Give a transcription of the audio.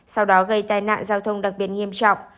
sau đó gây tai nạn giao thông đặc biệt nghiêm trọng